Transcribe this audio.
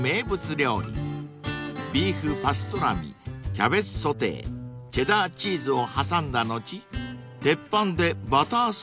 ［ビーフパストラミキャベツソテーチェダーチーズを挟んだ後鉄板でバターソテー］